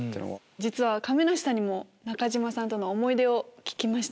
実は亀梨さんにも中島さんとの思い出を聞きました。